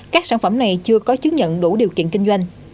các sản phẩm này chưa có chứng nhận đủ điều kiện kinh doanh